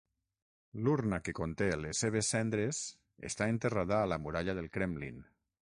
L'urna que conté les seves cendres està enterrada a la Muralla del Kremlin.